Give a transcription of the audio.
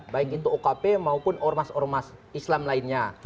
baik itu okp maupun ormas ormas islam lainnya